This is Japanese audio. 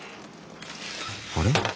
あれ？